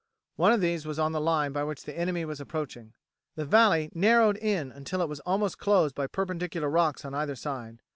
One of these was on the line by which the enemy were approaching. The valley narrowed in until it was almost closed by perpendicular rocks on either side.